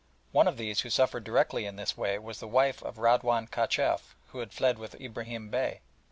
One of those who suffered directly in this way was the wife of Radwan Kachef who had fled with Ibrahim Bey.